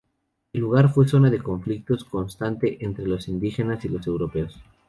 El lugar fue zona de conflictos constante entre los indígenas y los europeos.